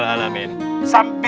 kita sudah sampai